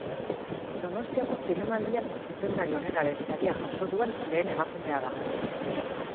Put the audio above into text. Donostiako Zinemaldian zuzendari onenaren saria jaso duen lehen emakumea da.